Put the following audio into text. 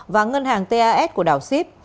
và ngân hàng tas của đảo sip